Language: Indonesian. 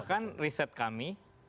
dan bahkan riset kami